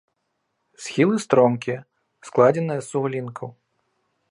Схілы стромкія, складзеныя з суглінкаў.